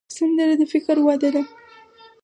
سندره د فکر وده ده